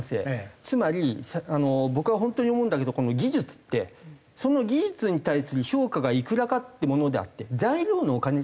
つまり僕は本当に思うんだけど技術ってその技術に対する評価がいくらかってものであって材料のお金じゃないんですわ。